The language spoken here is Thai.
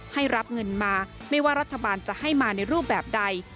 ให้รับเงินมาไม่ว่ารัฐบาลจะให้มาในรูปแบบใด